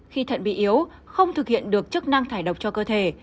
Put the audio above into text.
khi thận bị yếu không thực hiện được chức năng thải độc cho cơ thể